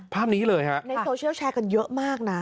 ภาพนี้เลยฮะในโซเชียลแชร์กันเยอะมากนะ